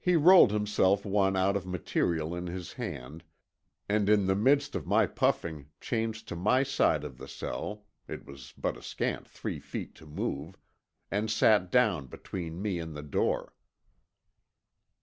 He rolled himself one out of material in his hand, and in the midst of my puffing changed to my side of the cell—it was but a scant three feet to move—and sat down between me and the door.